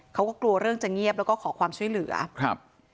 เขาก็กลัวเรื่องจะเงียบแล้วก็ขอความช่วยเหลือครับ